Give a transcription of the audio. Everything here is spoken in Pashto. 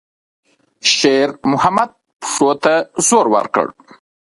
شېرمحمد پښو ته زور ورکړ.